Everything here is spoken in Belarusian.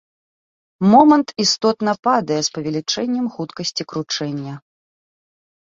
Момант істотна падае з павелічэннем хуткасці кручэння.